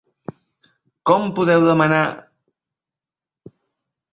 Com podeu demanar...?